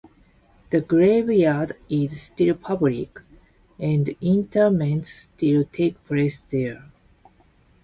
The graveyard is still public, and interments still take place there.